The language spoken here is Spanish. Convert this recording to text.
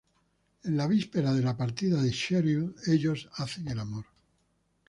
En la víspera de la partida de Cheryl, ellos hacen el amor.